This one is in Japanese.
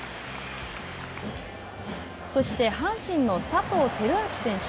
そして阪神の佐藤輝明選手。